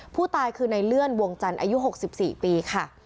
ผู้ตายคือในเลื่อนวงจันทร์อายุ๖๔ปีค่ะ